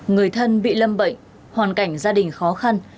người thân bị lâm bệnh hoàn cảnh gia đình khó khăn